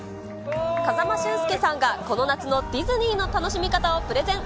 風間俊介さんがこの夏のディズニーの楽しみ方をプレゼン。